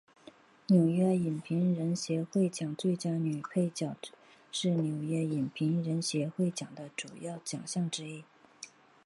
纽约影评人协会奖最佳女配角是纽约影评人协会奖的主要奖项之一。